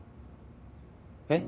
えっ？